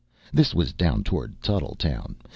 This was down toward Tuttletown.